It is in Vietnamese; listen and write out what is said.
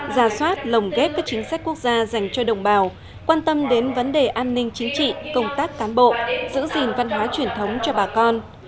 ra soát lồng ghép các chính sách quốc gia dành cho đồng bào quan tâm đến vấn đề an ninh chính trị công tác cán bộ giữ gìn văn hóa truyền thống cho bà con